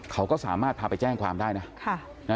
เขาก็สามารถพาไปแจ้งความได้นะ